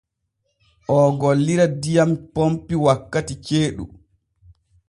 Oo gollira diyam pompi wakkati ceeɗu.